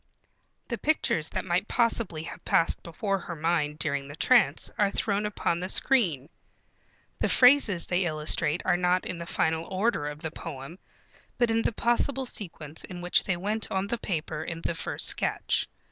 The pictures that might possibly have passed before her mind during the trance are thrown upon the screen. The phrases they illustrate are not in the final order of the poem, but in the possible sequence in which they went on the paper in the first sketch.